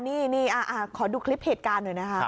นี่ขอดูคลิปเหตุการณ์หน่อยนะคะ